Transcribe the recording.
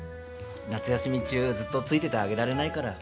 夏休み中ずっとついててあげられないから。